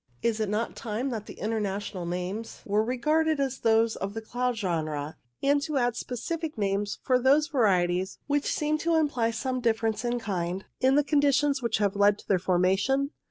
Is it not time that the International names were 12 INTRODUCTORY regarded as those of the cloud genera, and to add specific names for those varieties which seem to imply some difference in kind in the conditions which have led to their formation